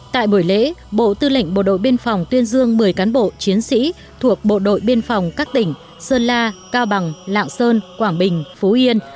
tại buổi lễ bộ tư lệnh bộ đội biên phòng tuyên dương một mươi cán bộ chiến sĩ thuộc bộ đội biên phòng các tỉnh sơn la cao bằng lạng sơn quảng bình phú yên